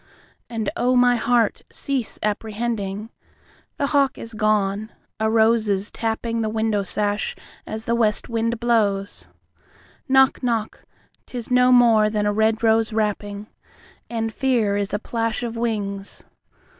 And oh, my heart, cease apprehending! The hawk is gone, a rose is tappingThe window sash as the west wind blows. Knock, knock, 'tis no more than a red rose rapping, And fear is a plash of wings.